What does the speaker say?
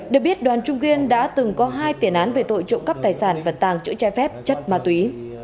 được biết đoàn trung kiên đã từng có hai tiền án về tội trộm cấp tài sản và tàng chữa chai phép chất ma túy